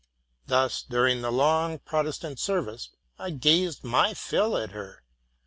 Thus, during the long Protestant service, I gazed my fill at her.